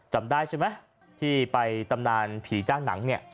จำได้ใช่ไหมที่ไปตำนานผีจ้างหนังเนี่ย